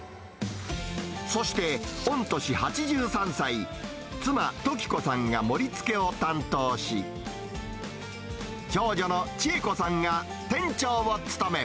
そして、御年８３歳、妻、トキコさんが盛りつけを担当し、長女の智恵子さんが店長を務め、